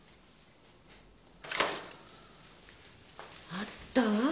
あった？